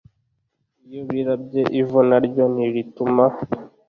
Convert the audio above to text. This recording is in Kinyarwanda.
Iyo birabye ivu naryo ntirituma